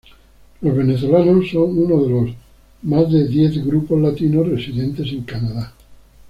Los venezolanos son uno de los más de diez grupos latinos residentes en Canadá.